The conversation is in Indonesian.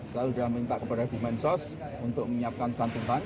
saya sudah minta kepada bumensos untuk menyiapkan santunan